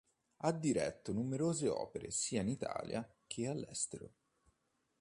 Ha diretto numerose opere sia in Italia che all'estero.